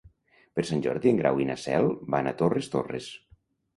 Per Sant Jordi en Grau i na Cel van a Torres Torres.